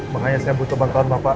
makanya saya butuh bantuan bapak